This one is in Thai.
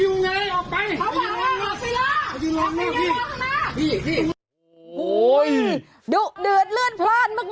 โอ้โหดูเดือดเลือดโพร่ันมาแบบเนี้ย